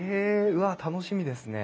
うわっ楽しみですね。